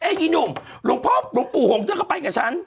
อีหนุ่มหลวงพ่อหลวงปู่หงเธอก็ไปกับฉัน